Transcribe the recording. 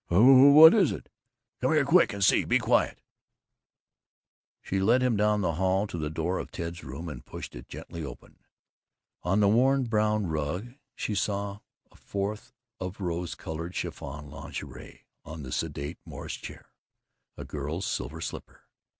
"Wha wha what is it?" "Come here quick and see. Be quiet!" She led him down the hall to the door of Ted's room and pushed it gently open. On the worn brown rug he saw a froth of rose colored chiffon lingerie; on the sedate Morris chair a girl's silver slipper.